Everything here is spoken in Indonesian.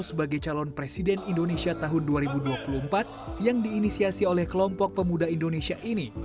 sebagai calon presiden indonesia tahun dua ribu dua puluh empat yang diinisiasi oleh kelompok pemuda indonesia ini